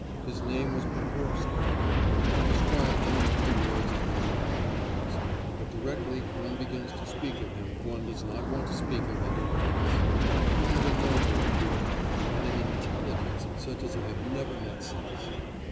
His name was Pokorsky. To describe him in a few words is beyond my powers, but directly one begins to speak of him, one does not want to speak of any one else. He had a noble, pure heart, and an intelligence such as I have never met since.